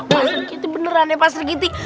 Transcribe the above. pak srik giti beneran ya pak srik giti